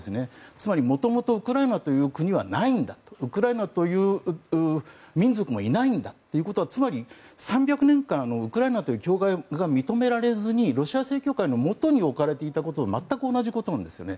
つまり、元々ウクライナという国はないんだウクライナという民族もいないんだということはつまり、３００年間ウクライナという教会が認められずにロシア正教会のもとに置かれていたことと全く同じことなんですよね。